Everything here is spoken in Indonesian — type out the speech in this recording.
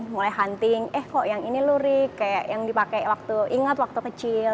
mulai hunting eh kok yang ini lurik kayak yang dipakai waktu ingat waktu kecil